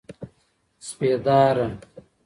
سپېداره